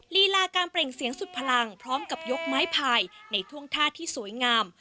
ลีลาการเปล่งเสียงสุดพลังพร้อมกับยกไม้พายในท่วงท่าที่สวยงาม